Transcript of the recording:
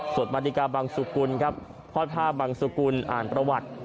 สวดบรรดิกาบังสุกุลครับพอดภาพบังสุกุลอ่านประวัติ